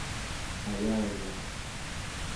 ayagaq